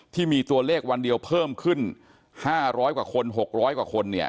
ที่มีตัวเลขวันเดียวเพิ่มขึ้น๕๐๐กว่าคน๖๐๐กว่าคนเนี่ย